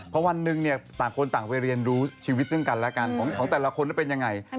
เพราะวันหนึ่งเนี่ยต่างคนต่างไปเรียนรู้ชีวิตซึ่งกันและกันของแต่ละคนเป็นยังไง